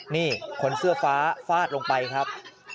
นี่คนเสื้อฟ้าฟาดลงไปครับ